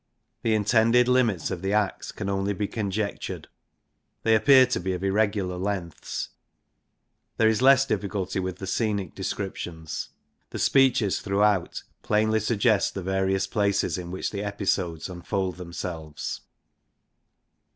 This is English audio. The intended limits of the Acts can only be conjectured ; they appear to be of irregular lengths. There is less difficulty with the scenic descriptions. The speeches throughout plainly suggest the various places in which the episodes unfold themselves.